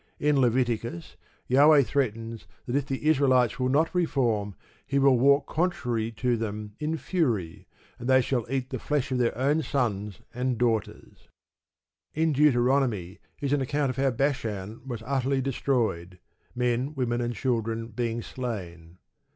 In Leviticus, Jahweh threatens that if the Israelites will not reform he will "walk contrary to them in fury, and they shall eat the flesh of their own sons and daughters." In Deuteronomy is an account of how Bashan was utterly destroyed, men, women, and children being slain.